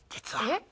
えっ？